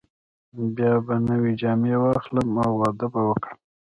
بیا به نوې جامې واخلم او واده به وکړم.